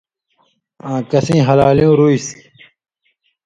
آں کسیں ہلالیُوں رُوئیسیۡ